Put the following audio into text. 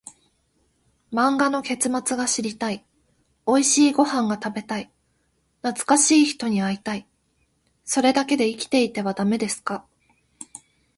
漫画の結末が知りたい、おいしいご飯が食べたい、懐かしい人に会いたい、それだけで生きていてはダメですか？